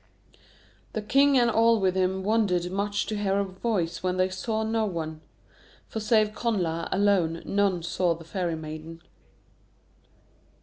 The king and all with him wondered much to hear a voice when they saw no one. For save Connla alone, none saw the Fairy Maiden.